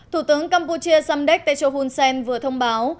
thủ tướng campuchia samdech techo hun sen vừa thông báo